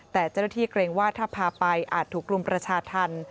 แต่เจ้าหน้าที่เกรงว่าถ้าพาไปอาจถูกรุมประชาธรรม